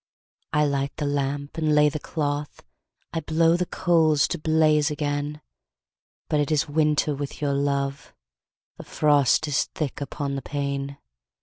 I light the lamp and lay the cloth, I blow the coals to blaze again; But it is winter with your love, The frost is thick upon the pane.